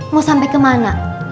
mau sampai kemana